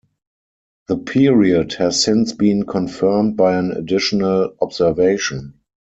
The period has since been confirmed by an additional observation.